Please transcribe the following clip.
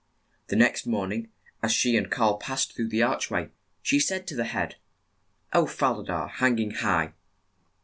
The next morn ing, as she and Karl passed through the arch' way, she said to the head, "O, Fa la da, hang ing high!"